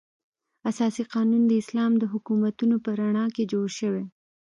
اساسي قانون د اسلام د حکمونو په رڼا کې جوړ شوی.